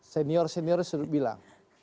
senior senior sudah bilang